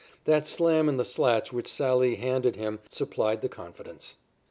That slam in the slats which Sallee handed him supplied the confidence.